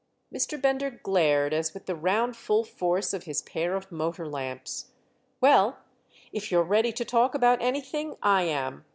Mr. Bender glared as with the round full force of his pair of motor lamps. "Well, if you're ready to talk about anything, I am.